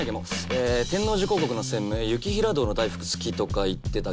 天王寺広告の専務雪平堂の大福好きとか言ってたっけ。